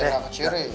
biar gak kecil nih